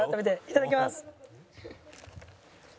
いただきます。